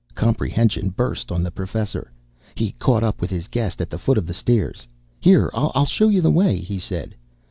Comprehension burst on the Professor. He caught up with his guest at the foot of the stairs. "Here, I'll show you the way," he said.